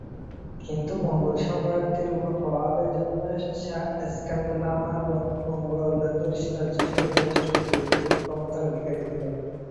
কিন্তু মঙ্গোল সম্রাটদের ওপর প্রভাবের জন্য সা-স্ক্যা লামারা মঙ্গোলদের রাজসভায় যথেষ্ট প্রতিপত্তি ও ক্ষমতার অধিকারী ছিল।